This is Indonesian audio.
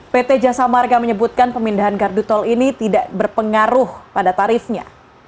pt jasa marga menyebutkan pemindahan gardu tol ini tidak berpengaruh pada tarifnya